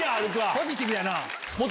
ポジティブやな。